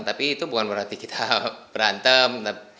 tapi itu bukan berarti kita berantem